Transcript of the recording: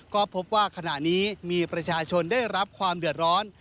ก็พบว่าขณะนี้มีประชาชนได้รับความเดือดร้อน